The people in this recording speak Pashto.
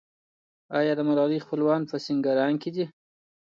آیا د ملالۍ خپلوان په سینګران کې دي؟